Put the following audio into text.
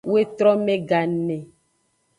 Wetrome gane.